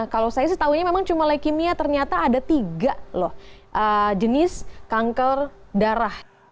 kalau saya setahunya memang cuma lekimia ternyata ada tiga jenis kanker darah